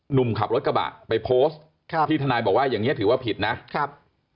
หนุ่มขับรถกระบะไปโพสต์ครับที่ทนายบอกว่าอย่างเงี้ถือว่าผิดนะครับ